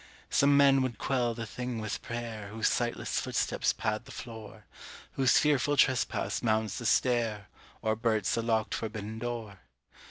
Some men would quell the thing with prayer Whose sightless footsteps pad the floor, Whose fearful trespass mounts the stair Or bursts the locked forbidden door.